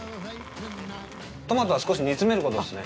トマトは少し煮詰めることですね。